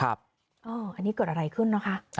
อันนี้เกิดอะไรขึ้นนะคะ